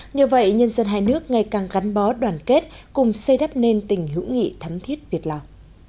nhờ vậy nhân dân hai nước ngày càng gắn bó đoàn kết cùng xây đắp nên tình hữu nghị thấm thiết việt lào